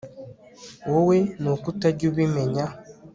wowe nuko utajya ubimenya